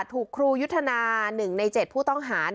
ถูกครูยุทธนา๑ใน๗ผู้ต้องหา